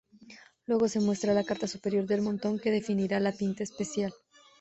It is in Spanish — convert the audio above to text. Luego se muestra la carta superior del montón que definirá la pinta especial.